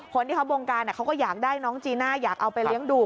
คนที่เขาวงการเขาก็อยากได้น้องจีน่าอยากเอาไปเลี้ยงดู